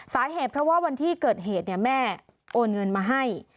สาเหตุเพราะว่าวันที่เกิดเหตุแม่โอนเงินมาให้